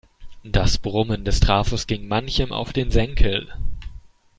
Das Brummen des Trafos ging manchem auf den Senkel.